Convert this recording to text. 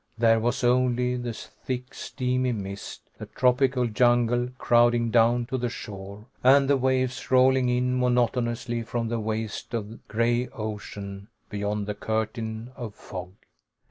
There was only the thick, steamy mist, the tropic jungle crowding down to the shore, and the waves rolling in monotonously from the waste of gray ocean beyond the curtain of fog.